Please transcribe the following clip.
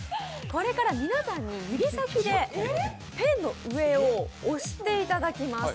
これから皆さんに指先でペンの上を押していただきます。